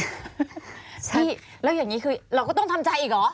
ใช่แล้วอย่างนี้คือเราก็ต้องทำใจอีกเหรอ